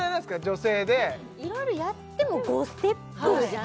女性でいろいろやっても５ステップじゃない？